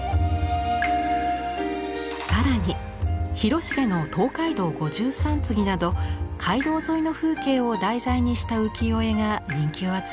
更に広重の「東海道五十三次」など街道沿いの風景を題材にした浮世絵が人気を集めます。